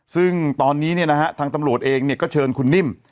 ซึ่งตอนนี้ทางตำรวจเองก็เชิญคุณนิ่ม